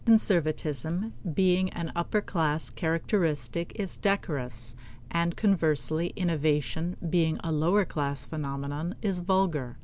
Conservatism, being an upper class characteristic, is decorous; and conversely, innovation, being a lower class phenomenon, is vulgar.